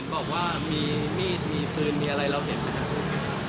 บอกว่ามีมีดมีปืนมีอะไรเราเห็นไหมครับ